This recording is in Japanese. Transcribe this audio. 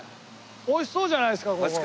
美味しそうじゃないですかここ。